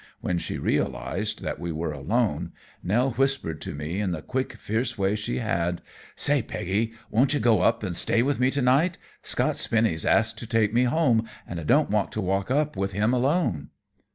When she realized that we were alone, Nell whispered to me in the quick, fierce way she had: "Say, Peggy, won't you go up and stay with me to night? Scott Spinny's asked to take me home, and I don't want to walk up with him alone."